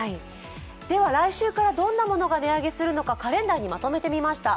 では、来週からどんなものが値上げするのか、カレンダーにまとめてみました。